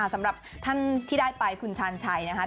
สำหรับท่านที่ได้ไปคุณชาญชัยนะคะ